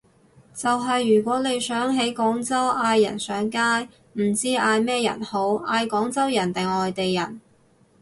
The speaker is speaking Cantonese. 就係如果你想喺廣州嗌人上街，唔知嗌咩人好，嗌廣州人定外地人？